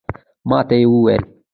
ماته یې وویل